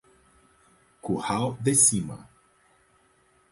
Curral de Cima